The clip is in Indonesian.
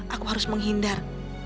aku harus menghindar